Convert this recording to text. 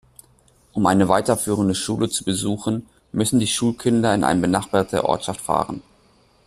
Um eine weiterführende Schule zu besuchen, müssen die Schulkinder in eine benachbarte Ortschaft fahren.